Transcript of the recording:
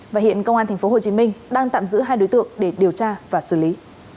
và hiện công an tp hcm đang tạm giữ hai đối tượng để điều tra và xử lý